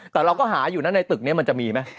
แต่เราก็หาอยู่นะในตึกนี้มันจะมีไหม